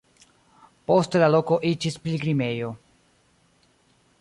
Poste la loko iĝis pilgrimejo.